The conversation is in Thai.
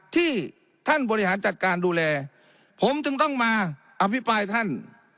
ที่ท่านบริหารจัดการดูแลผมจึงต้องมาอภิปรายท่าน